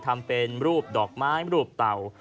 ทำเป็นรูปดอกไม้รูปเต่า